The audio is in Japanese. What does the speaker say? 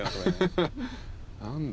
何だ？